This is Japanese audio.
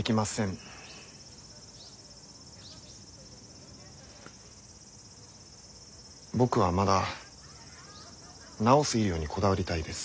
僕はまだ治す医療にこだわりたいです。